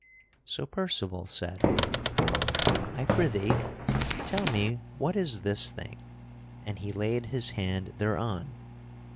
So Percival said, "I prithee tell me what is this thing?" And he laid his hand thereon.